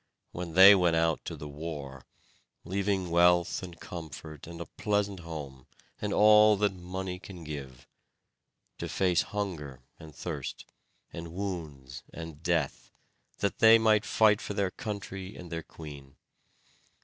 when they went out to the war, leaving wealth, and comfort, and a pleasant home, and all that money can give, to face hunger and thirst, and wounds and death, that they might fight for their country and their Queen?